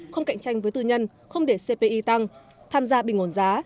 không cạnh tranh với tư nhân không để cpi tăng tham gia bình ổn giá